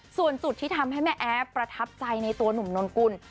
ส่วนจุดที่ทำให้แม่แอฟประทับใจในตัวหนุ่มนนกุล